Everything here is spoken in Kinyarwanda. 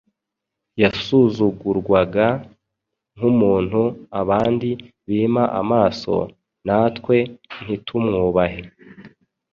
yasuzugurwaga nk’umuntu abandi bima amaso, natwe ntitumwubahe.